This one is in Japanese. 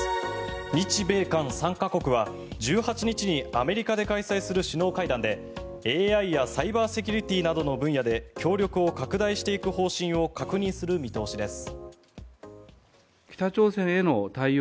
日米韓３か国は１８日にアメリカで開催する首脳会談でＡＩやサイバーセキュリティーなどの分野で協力を拡大していく方針を確認する見通しです。